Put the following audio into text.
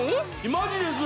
マジです！